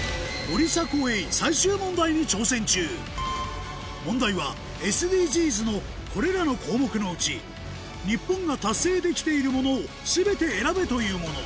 森迫永依最終問題に挑戦中問題はＳＤＧｓのこれらの項目のうち日本が達成できているものをすべて選べというもの